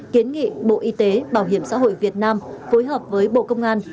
kiến nghị bộ y tế bảo hiểm xã hội việt nam phối hợp với bộ công an